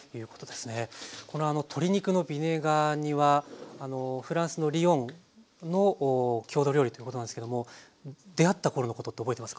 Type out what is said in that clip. この鶏肉のビネガー煮はフランスのリヨンの郷土料理ということなんですけども出会った頃のことって覚えてますか？